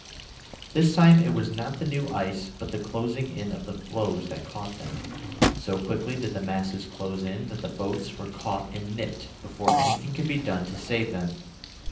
This time it was not the new ice but the closing in of the floes that caught them. So quickly did the masses close in that the boats were caught and "nipped" before anything could be done to save them.